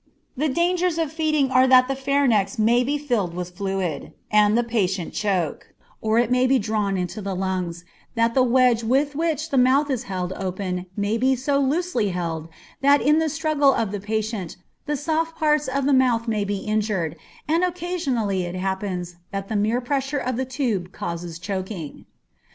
The dangers of feeding are that the pharynx may be filled with fluid, and the patient choke, or it may be drawn into the lungs, that the wedge with which the mouth is held open may be so loosely held that in the struggle of the patient the soft parts of the mouth may be injured, and occasionally it happens that the mere pressure of the tube causes choking.